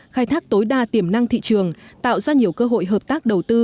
khai thác tối đa tiềm năng thị trường tạo ra nhiều cơ hội hợp tác đầu tư